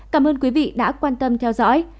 cảm ơn quý vị đã quan tâm theo dõi